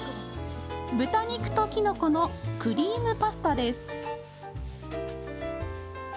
豚肉ときのこのクリームパスタです。